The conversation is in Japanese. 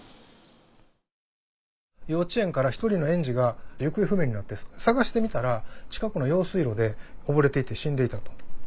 幼稚園から１人の園児が行方不明になって捜してみたら近くの用水路で溺れていて死んでいたと。